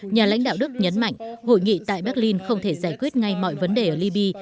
nhà lãnh đạo đức nhấn mạnh hội nghị tại berlin không thể giải quyết ngay mọi vấn đề ở liby